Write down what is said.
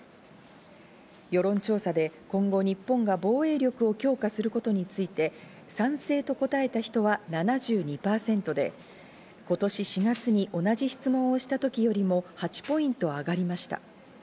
世論調査で、今後、日本が防衛力を強化することについて、賛成と答えた人は７２％で、今年４月に同じ質問をした時よりも８ポイント上がりました。